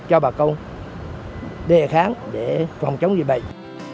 cho bà con đề kháng để phòng chống dịch bệnh